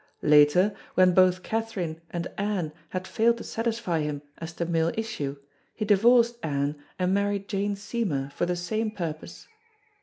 Later, when both Katherine and Anne had failed to satisfy him as to male issue, he divorced Anne and married Jane Seymour for the same purpose.